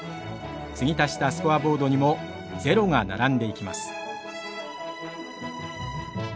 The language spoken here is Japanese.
継ぎ足したスコアボードにもゼロが並んでいきます。